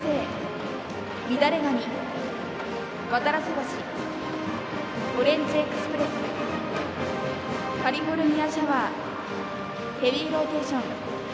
「せんせい」、「みだれ髪」「渡良瀬橋」「オレンジ・エクスプレス」「カリフォルニア・シャワー」「ヘビーローテーション」。